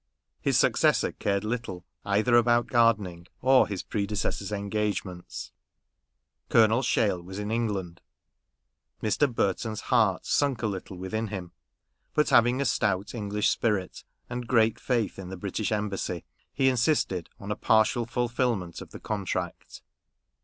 His successor cared little either about gardening or his predecessor's engagements. Colonel Sheil was in England. Mr. Burton's heart sunk a little within him ; but, having a stout English spirit, and great faith in the British embassy, he insisted on a partial fulfilment of the contract.